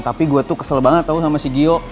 tapi gue tuh kesel banget tau sama si gio